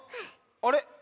あれ？